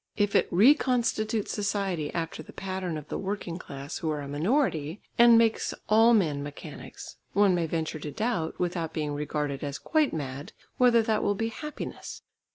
If it reconstitutes society after the pattern of the working class who are a minority, and makes all men mechanics, one may venture to doubt, without being regarded as quite mad, whether that will be happiness.